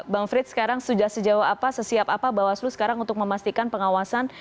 bang frits sekarang sudah sejauh apa sesiap apa bawaslu sekarang untuk memastikan pengawasan